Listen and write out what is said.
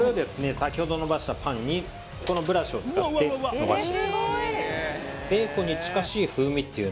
先ほどのばしたパンにこのブラシを使ってのばしていきます